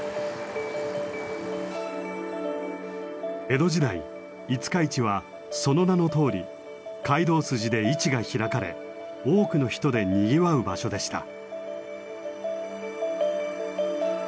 江戸時代五日市はその名のとおり街道筋で市が開かれ多くの人でにぎわう場所でした。